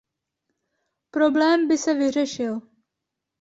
Problém by se vyřešil.